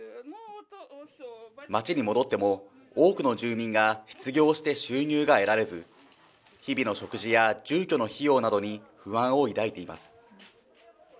街に戻っても、多くの住民が失業して収入が得られず、日々の食事や住居の費用などに不安を抱いています。